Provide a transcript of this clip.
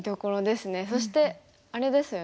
そしてあれですよね